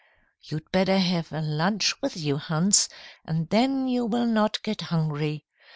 "You'd better have a lunch with you, Hans, and then you will not get hungry.